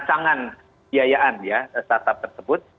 rancangan biayaan ya startup tersebut